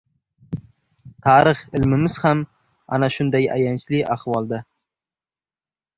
Tarix ilmimiz ham ana shunday ayanchli ahvolda.